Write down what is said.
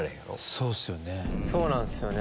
そうっすよね。